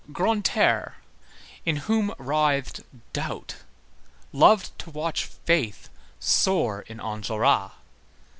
Grantaire, in whom writhed doubt, loved to watch faith soar in Enjolras.